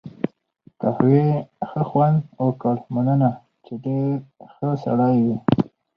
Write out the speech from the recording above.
قهوې ښه خوند وکړ، مننه، چې ډېر ښه سړی وې.